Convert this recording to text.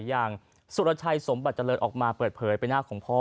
อย่างสุรชัยสมบัติเจริญออกมาเปิดเผยไปหน้าของพ่อ